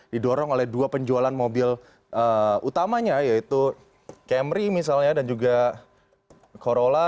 didorong oleh dua penjualan mobil utamanya yaitu camry misalnya dan juga corolla